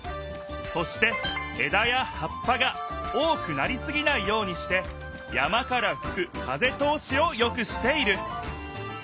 そしてえだやはっぱが多くなりすぎないようにして山からふく風通しをよくしている。